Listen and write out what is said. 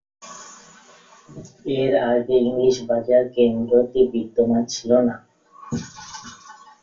এর আগে ইংলিশ বাজার কেন্দ্রটি বিদ্যমান ছিল না।